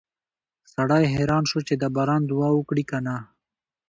سړی حیران شو چې د باران دعا وکړي که نه